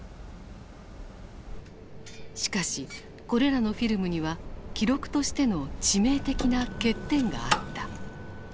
しかしこれらのフィルムには記録としての致命的な欠点があった。